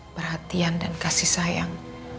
perhatian dan kasih sayang